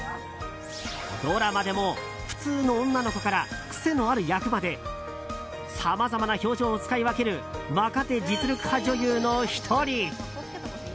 ドラマでも普通の女の子から癖のある役までさまざまな表情を使い分ける若手実力派女優の１人。